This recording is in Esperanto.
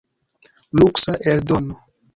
Luksa eldono.